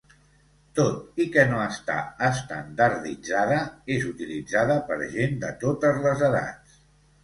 Tot i que no està estandarditzada, és utilitzada per gent de totes les edats.